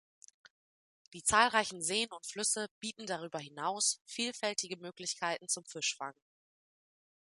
Die zahlreichen Seen und Flüsse bieten darüber hinaus vielfältige Möglichkeiten zum Fischfang.